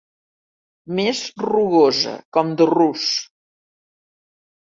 Més rugosa, com de rus.